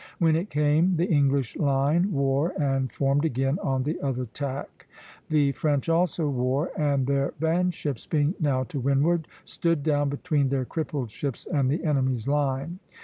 When it came, the English line wore, and formed again on the other tack. The French also wore; and their van ships, being now to windward, stood down between their crippled ships and the enemy's line (C).